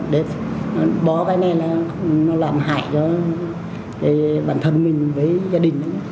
để bỏ cái này là nó làm hại cho bản thân mình với gia đình